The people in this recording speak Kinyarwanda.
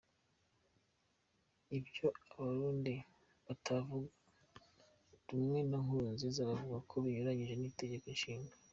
Ibyo abarundi batavuga rumwe na Nkurunziza bavuga ko binyuranyije n’itegeko nshinga.